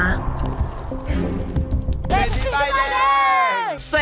เศรษฐีใต้แดง